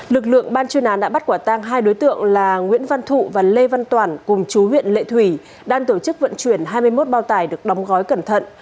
lực lượng ban chuyên án đã bắt quả tang hai đối tượng là nguyễn văn thụ và lê văn toàn cùng chú huyện lệ thủy đang tổ chức vận chuyển hai mươi một bao tải được đóng gói cẩn thận